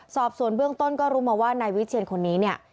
สอบส่วนเบื้องต้นก็รู้มาว่านายวิเชียนคนนี้เนี่ย